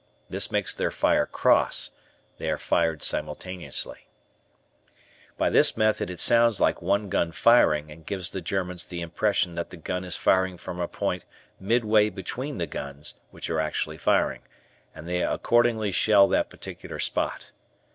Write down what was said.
This makes their fire cross; they are fired simultaneously. {Illustration: Diagram} By this method it sounds like one gun firing and gives the Germans the impression that the gun is firing from a point midway between the guns which are actually firing, and they accordingly shell that particular spot.